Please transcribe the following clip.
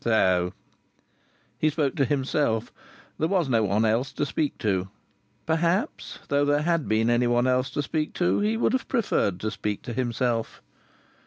So!" He spoke to himself. There was no one else to speak to. Perhaps, though there had been any one else to speak to, he would have preferred to speak to himself.